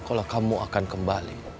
kalau kamu akan kembali